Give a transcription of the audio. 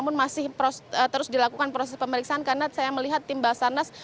namun masih terus dilakukan proses pemeriksaan karena saya melihat tim basarnas